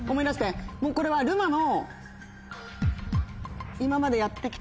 もうこれはるまの。